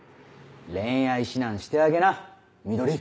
恋愛指南してあげなみどり。